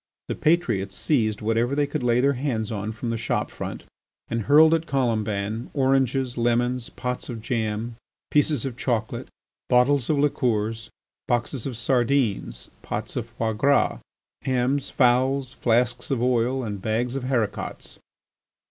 The patriots seized whatever they could lay their hands on from the shop front, and hurled at Colomban oranges, lemons, pots of jam, pieces of chocolate, bottles of liqueurs, boxes of sardines, pots of foie gras, hams, fowls, flasks of oil, and bags of haricots.